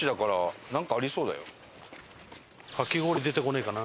かき氷出てこねえかな。